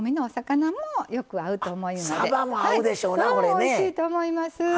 おいしいと思います。